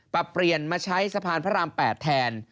ปรับเปลี่ยนมาใช้สะพานพระราม๘แทน